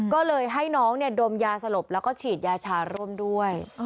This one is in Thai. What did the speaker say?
ก็เลยให้น้องดมยาสลบแล้วก็ฉีดยาชาร่วมด้วย